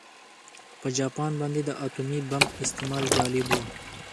په جاپان باندې د اتومي بم استعمال جالب و